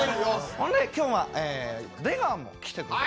ほんで今日は出川も来てくれてる。